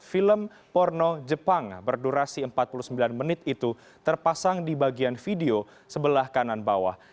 film porno jepang berdurasi empat puluh sembilan menit itu terpasang di bagian video sebelah kanan bawah